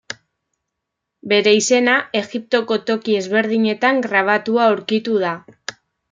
Bere izena, Egiptoko toki ezberdinetan grabatua aurkitu da.